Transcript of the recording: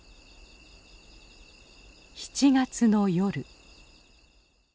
７月の夜。